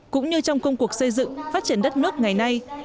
cũng như trong công cuộc xây dựng phát triển đất nước ngày nay